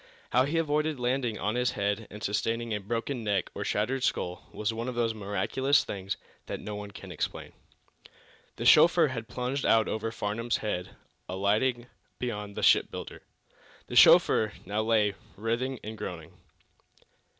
How he avoided landing on his head and sustaining a broken neck or shattered skull was one of those miraculous things that no one can explain. The chauffeur had plunged out over Farnum's head, alighting beyond the shipbuilder. The chauffeur now lay writhing and groaning.